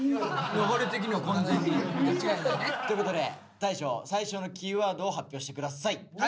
流れ的には完全に。ということで大昇最初のキーワードを発表して下さい。